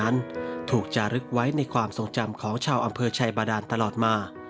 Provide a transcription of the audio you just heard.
นั้นถูกจารึกไว้ในความทรงจำของชาวอำเภอชัยบาดานตลอดมา